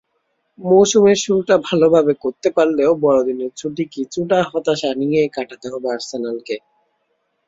মৌসুমের শুরুটা ভালোভাবে করতে পারলেও বড়দিনের ছুটি কিছুটা হতাশা নিয়েই কাটাতে হবে আর্সেনালকে।